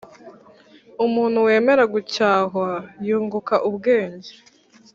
umuntu wemera gucyahwa yunguka ubwenge